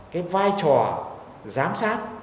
cái vai trò giám sát